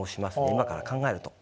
今から考えると。